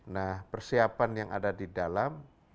nah persiapan yang ada di dalam